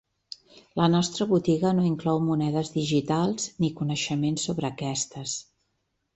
La nostra botiga no inclou monedes digitals ni coneixement sobre aquestes.